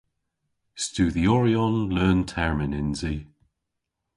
Studhyoryon leun-termyn yns i.